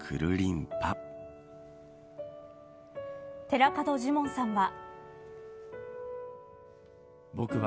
寺門ジモンさんは。